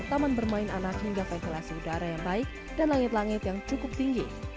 taman bermain anak hingga ventilasi udara yang baik dan langit langit yang cukup tinggi